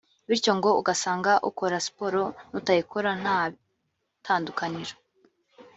bityo ngo ugasanga ukora siporo n’utayikora nta tandukaniro